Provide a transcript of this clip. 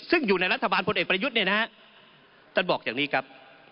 ซึ่งอยู่ในรัฐบาลพลเอกประยุทธ์เนี่ยนะฮะท่านบอกอย่างนี้ครับ